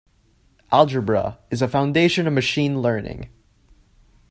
Algebra is a foundation of Machine Learning.